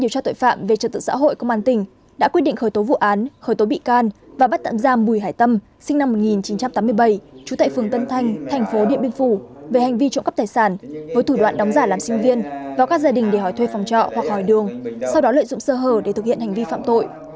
đã quyết định khởi tố vụ án khởi tố bị can và bắt tạm giam bùi hải tâm sinh năm một nghìn chín trăm tám mươi bảy trú tại phường tân thanh thành phố điện biên phủ về hành vi trộm cấp tài sản với thủ đoạn đóng giả làm sinh viên vào các gia đình để hỏi thuê phòng trọ hoặc hỏi đường sau đó lợi dụng sơ hờ để thực hiện hành vi phạm tội